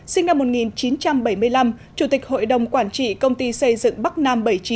sinh năm một nghìn chín trăm bảy mươi năm chủ tịch hội đồng quản trị công ty xây dựng bắc nam bảy mươi chín